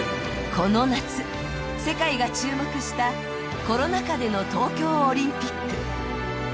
この夏、世界が注目したコロナ禍での東京オリンピック。